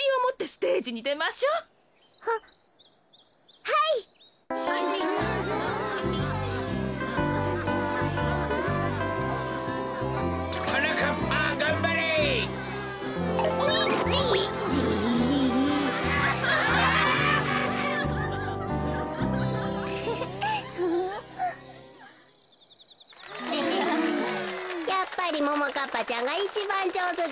やっぱりももかっぱちゃんがいちばんじょうずだったわねべ。